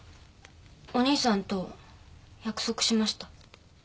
お兄さんと約束しました。